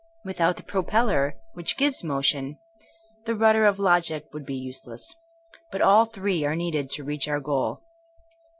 Without the propeller, which gives motion, the rudder of logic would be useless. But all three are needed to reach our goal.